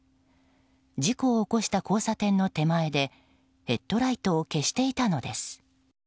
事故を起こした交差点の手前でヘッドライトを消していたのです。